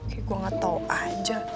eh gue gak tau aja